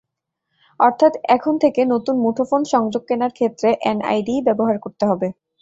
অর্থাৎ এখন থেকে নতুন মুঠোফোন সংযোগ কেনার ক্ষেত্রে এনআইডিই ব্যবহার করতে হবে।